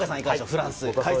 フランス。